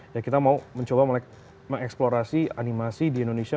ya kita mau mencoba mengeksplorasi animasi di indonesia